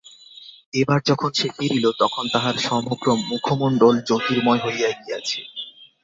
এবার যখন সে ফিরিল, তখন তাহার সমগ্র মুখমণ্ডল জ্যোতির্ময় হইয়া গিয়াছে।